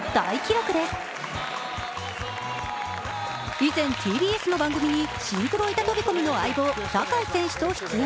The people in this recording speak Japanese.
以前、ＴＢＳの番組にシンクロ板飛び込みの相棒、坂井選手と出演。